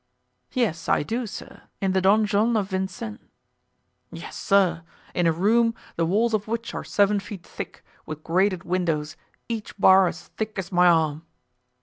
"Yes, I do, sir; in the donjon of Vincennes." "Yes, sir; in a room, the walls of which are seven feet thick, with grated windows, each bar as thick as my arm."